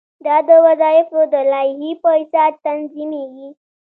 دا د وظایفو د لایحې په اساس تنظیمیږي.